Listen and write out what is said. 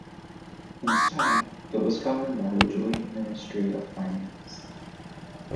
Instead, it was governed by the joint Ministry of Finance.